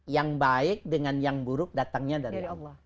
yang baik dengan yang buruk datangnya dari allah